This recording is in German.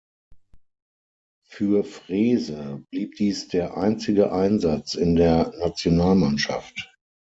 Für Freese blieb dies der einzige Einsatz in der Nationalmannschaft.